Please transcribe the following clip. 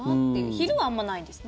昼はあんまりないですね。